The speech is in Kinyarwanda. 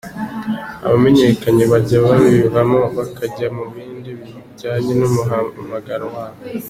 Abamenyekanye bajya babivamo bakajya mu bindi bijyanye n’umuhamagaro wabo.